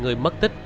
người mất tích